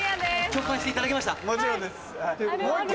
もちろんです。